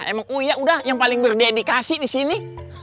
emang uya udah yang paling berdedikasi disini